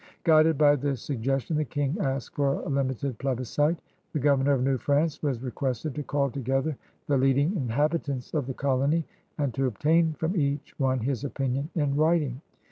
Guided by this sugges tion, the King asked for a limited plebiscite; the governor of New France was requested to call together '^the leading inhabitants of the colony and to obtain from each one his opinion in writing.